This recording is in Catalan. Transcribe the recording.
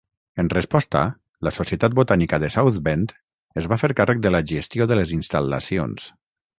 En resposta, la societat botànica de South Bend es va fer càrrec de la gestió de les instal·lacions.